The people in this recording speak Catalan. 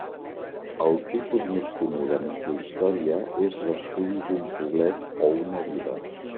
El tipus més comú de microhistòria és l'estudi d'un poblet o una vila.